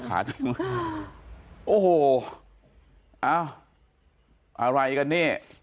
อะไรกันเนี่ย